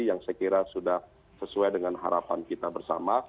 yang saya kira sudah sesuai dengan harapan kita bersama